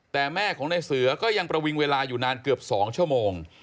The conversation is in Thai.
แต่แม่ของในเสือก็ยังประวิงเวลาอยู่นานเกือบ๒ชั่วโมง